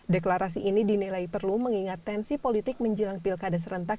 deklarasi ini dinilai perlu mengingat tensi politik menjelang pilkada serentak